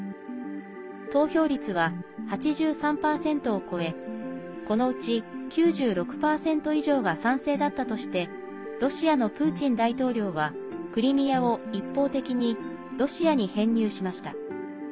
投票率は８３％を超えこのうち９６％以上が賛成だったとしてロシアのプーチン大統領はクリミアを一方的にロシアに編入しました。